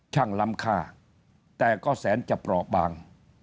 ล้ำค่าแต่ก็แสนจะเปราะบาง